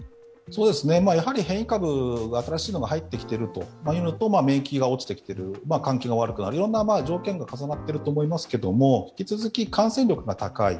やはり変異株、新しいのが入ってきているというのと免疫が落ちてきている、換気が悪くなる、いろいろな条件が重なっていると思いますけど、引き続き感染力が高い。